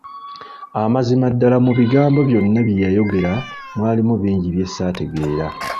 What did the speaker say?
Amazima ddala mu bigambo byonna bye yayogera mwalimu bingi bye saategeera.